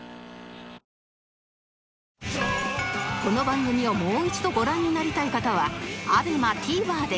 この番組をもう一度ご覧になりたい方は ＡＢＥＭＡＴＶｅｒ で